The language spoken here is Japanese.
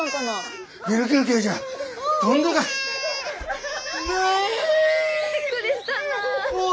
びっくりしたなあ。